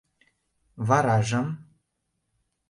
Варажым...